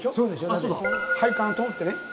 あそうだ。配管を通ってね。